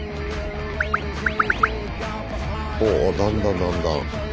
おおだんだんだんだん。